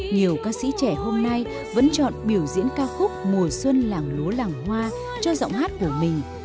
nhiều ca sĩ trẻ hôm nay vẫn chọn biểu diễn ca khúc mùa xuân làng lúa làng hoa cho giọng hát của mình